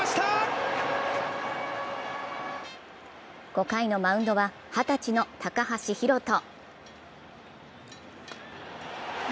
５回のマウンドは二十歳の高橋宏斗。